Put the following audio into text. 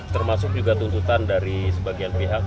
termasuk juga tuntutan dari sebagian pihak